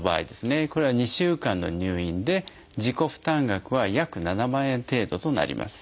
これは２週間の入院で自己負担額は約７万円程度となります。